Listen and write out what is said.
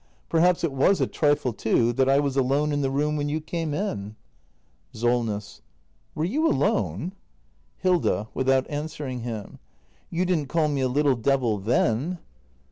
Perhaps it was a trifle, too, that I was alone in the room when you came in ? Solness. Were you alone ? Hilda. [Without answering him.] You didn't call me a little devil then?